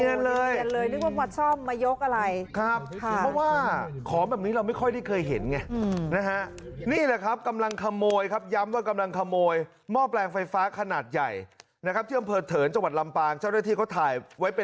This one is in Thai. ย้็นเลยมันแบบนี้เราไม่ค่อยได้เคยเห็นมีนะครับกำลังขโมยครับย้ำว่ากำลังขโมยเมาะแปลงไฟฟ้าขนาดใหญ่นะครับคุณจังห์ประเทิญจังหวัดลำปางเช่นที่ก็ถ่ายไป